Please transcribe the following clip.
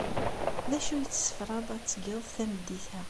D acu ay tessefraḍ ad t-tgeḍ tameddit-a?